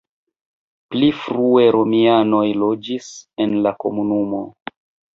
Pli frue romianoj loĝis en la komunumo.